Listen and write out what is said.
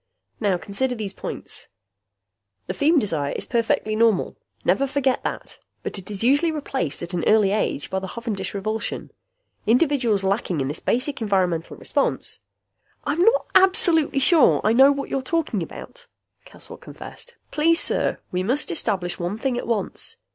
Now consider these points: The feem desire is perfectly normal. Never forget that. But it is usually replaced at an early age by the hovendish revulsion. Individuals lacking in this basic environmental response " "I'm not absolutely sure I know what you're talking about," Caswell confessed. "Please, sir! We must establish one thing at once.